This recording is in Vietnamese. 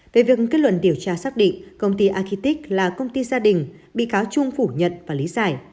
về việc kết luận điều tra xác định công ty agitic là công ty gia đình bị cáo trung phủ nhận và lý giải